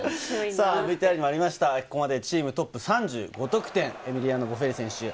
ＶＴＲにもありました、チームトップ３５得点、エミリアノ・ボフェリ選手。